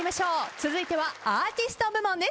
続いてはアーティスト部門です。